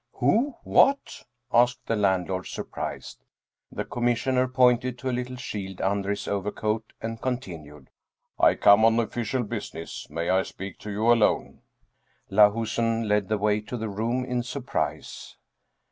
"Who? what?" asked the landlord, surprised. The Commissioner pointed to a little shield under his overcoat and continued, " I come on official business ; may I speak to you alone?" Lahusen led the way to the room in surprise.